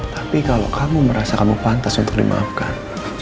tapi kalau kamu merasa kamu pantas untuk dimaafkan